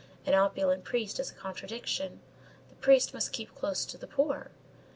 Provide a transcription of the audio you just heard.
An opulent priest is a contradiction. The priest must keep close to the poor.